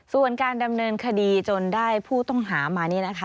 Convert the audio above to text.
ส่วนการดำเนินคดีจนได้ผู้ต้องหามานี่นะคะ